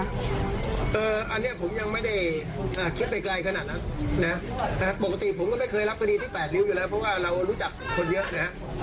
ปกติผมก็ไม่เคยรับคดีที่แปดริ้วอยู่แล้วเพราะว่าเรารู้จักคนเยอะนะฮะ